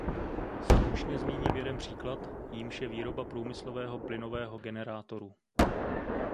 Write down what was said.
Stručně zmíním jeden příklad, jímž je výroba průmyslového plynového generátoru.